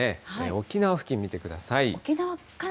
沖縄付近見てください。